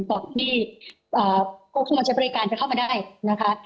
ก่อนที่โค้ชมเจ๊ปริการจะเข้าใหม่ได้นะคะ